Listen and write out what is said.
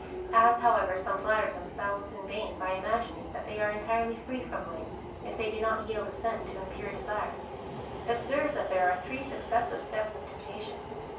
As, however, some flatter themselves in vain, by imagining that they are entirely free from blame, if they do not yield assent to impure desire, observe that there are three succes sive steps of temptation.